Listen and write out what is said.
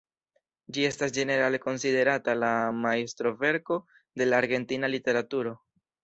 Ĝi estas ĝenerale konsiderata la majstroverko de la argentina literaturo.